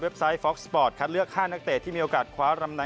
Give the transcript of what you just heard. เว็บไซต์ฟอร์คสปอร์ตคัดเลือกห้านักเตะที่มีโอกาสขวา